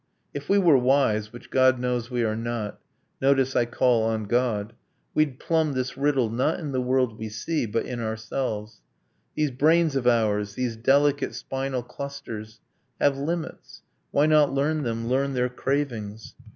If we were wise which God knows we are not (Notice I call on God!) we'd plumb this riddle Not in the world we see, but in ourselves. These brains of ours these delicate spinal clusters Have limits: why not learn them, learn their cravings?